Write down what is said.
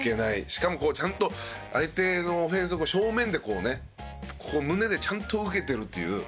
しかもこうちゃんと相手のオフェンスを正面でこうね胸でちゃんと受けてるっていう。